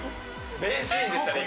名シーンでしたね。